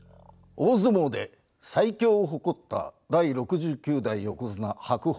大相撲で最強を誇った第６９代横綱白鵬